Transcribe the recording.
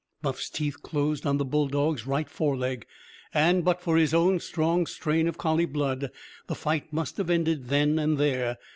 Buff's teeth closed on the bulldog's right foreleg. And, but for his own strong strain of collie blood, the fight must have ended then and there.